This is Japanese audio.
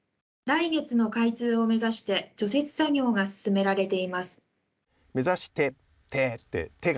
来月の開通を目指して除雪作業が進められて。